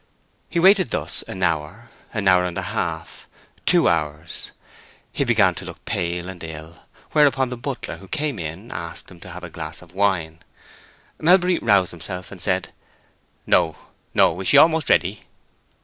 He waited thus an hour, an hour and a half, two hours. He began to look pale and ill, whereupon the butler, who came in, asked him to have a glass of wine. Melbury roused himself and said, "No, no. Is she almost ready?"